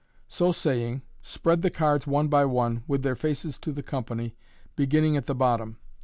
M So saying, spread the cards one by one, with their faces to the company, beginning at the bottom.